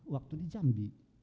waktu di jambi